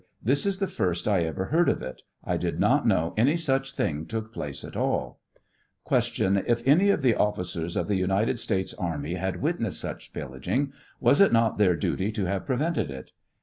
This is the first I ever heard of it ; I did not know any such thing took place at all. Q, If any of the oflScers of the United States army had witnessed such pillaging, was it not their duty to have prevented it